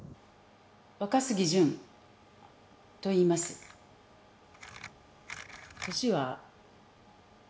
「若杉純といいます」「年は」